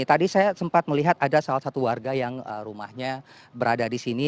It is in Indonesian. tadi saya sempat melihat ada salah satu warga yang rumahnya berada di sini